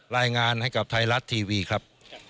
รายงานให้กับไทยรัฐทีวีครับ